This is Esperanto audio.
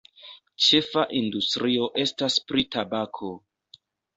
Ĉefa industrio estas pri tabako.